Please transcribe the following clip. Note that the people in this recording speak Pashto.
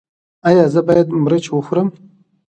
ایا زه باید مرچ وخورم؟